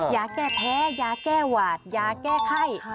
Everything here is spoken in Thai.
ยาแก้แพ้ยาแก้หวาดยาแก้ไข้